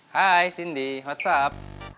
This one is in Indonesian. hai sindi what's up